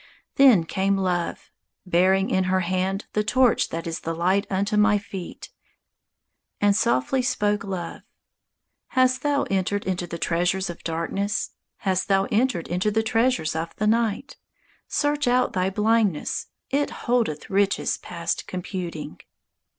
Then came Love, bearing in her hand The torch that is the light unto my feet, And softly spoke Love: "Hast thou Entered into the treasures of darkness? Hast thou entered into the treasures of the night? Search out thy blindness. It holdeth Riches past computing."